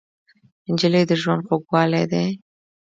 نجلۍ د ژوند خوږوالی دی.